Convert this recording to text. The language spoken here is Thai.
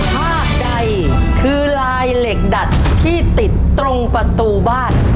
ภาพใดคือลายเหล็กดัดที่ติดตรงประตูบ้าน